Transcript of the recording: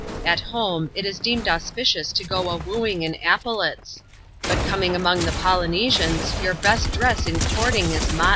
At home, it is deemed auspicious to go a wooing in epaulets ; but amoti^ IV. Tdfynesians, your best dress in courting \a mo'^ej.